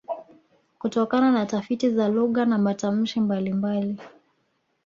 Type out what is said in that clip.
Kutokana na tafiti za lugha na matamshi mbalimbali